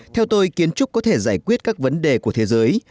theo tôi kiến trúc có thể giải quyết các vấn đề của thế giới